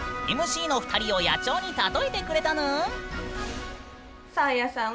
ＭＣの２人を野鳥に例えてくれたぬん！